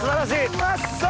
うまそう！